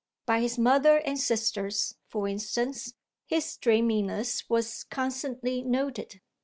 By his mother and sisters, for instance, his dreaminess was constantly noted.